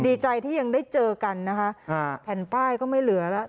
ดีใจที่ยังได้เจอกันนะคะแผ่นป้ายก็ไม่เหลือแล้ว